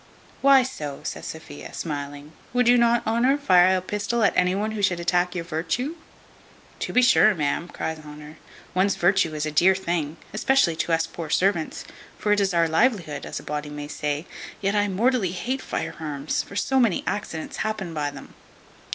"Why so?" says Sophia, smiling; "would not you, Honour, fire a pistol at any one who should attack your virtue?" "To be sure, ma'am," cries Honour, "one's virtue is a dear thing, especially to us poor servants; for it is our livelihood, as a body may say: yet I mortally hate fire arms; for so many accidents happen by them."